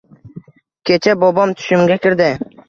Kecha bobom tushimga kirdi.